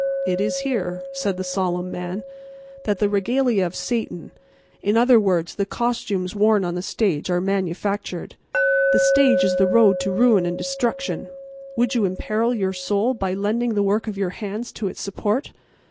"It is here," said the solemn man, "that the regalia of Satan—in other words, the costumes worn on the stage—are manufactured. The stage is the road to ruin and destruction. Would you imperil your soul by lending the work of your hands to its support?